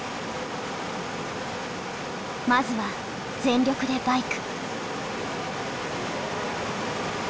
まずは全力でバイク。